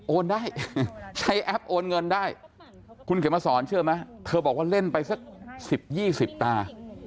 ได้ใช้แอปโอนเงินได้คุณเขียนมาสอนเชื่อไหมเธอบอกว่าเล่นไปสัก๑๐๒๐ตา